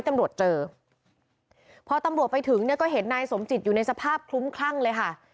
ตำรวจเจอพอตำรวจไปถึงเนี่ยก็เห็นนายสมจิตอยู่ในสภาพคลุ้มคลั่งเลยค่ะ